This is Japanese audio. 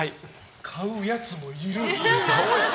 買うやつもいる。